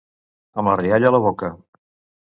Amb la rialla a la boca.